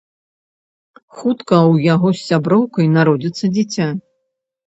Хутка ў яго з сяброўкай народзіцца дзіця.